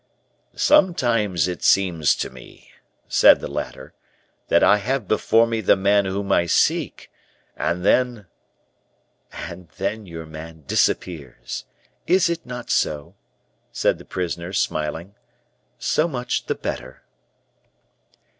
"Sometimes it seems to me," said the latter, "that I have before me the man whom I seek, and then " "And then your man disappears, is it not so?" said the prisoner, smiling. "So much the better."